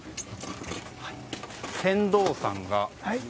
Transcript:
船頭さんが。